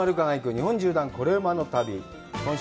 日本縦断コレうまの旅」